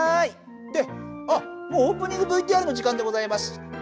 であっもうオープニングＶＴＲの時間でございます。